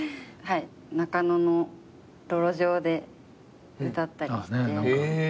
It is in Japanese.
中野の路上で歌ったりして。